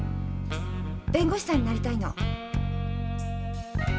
弁護士さんになりたいの。